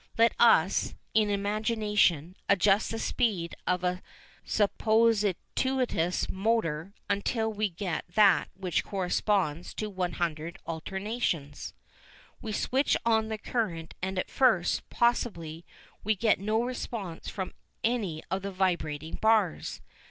Let us, in imagination, adjust the speed of a supposititious motor until we get that which corresponds to 100 alternations. We switch on the current and at first, possibly, we get no response from any of the vibrating bars.